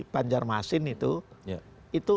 banjarmasin itu itu